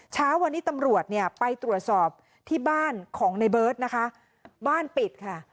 เช้าวันนี้ตำรวจเนี่ยไปตรวจสอบที่บ้านของในเบิร์ตนะคะบ้านปิดค่ะ